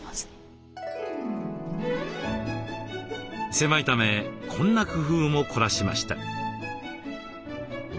狭いためこんな工夫も凝らしました。